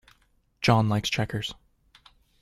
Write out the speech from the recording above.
John likes checkers.